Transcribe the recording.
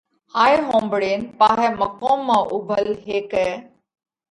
هائي ۿومڀۯينَ پاهئہ مقوم مانه اُوڀل هيڪئہ